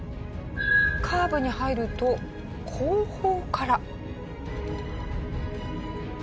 カーブに入ると後方から。